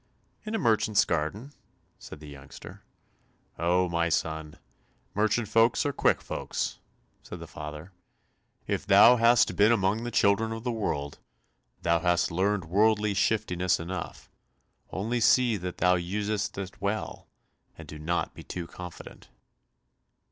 "In a merchant's garden," said the youngster. "Oh, my son, merchant folks are quick folks," said the father. "If thou hast been among the children of the world, thou hast learned worldly shiftiness enough, only see that thou usest it well, and do not be too confident."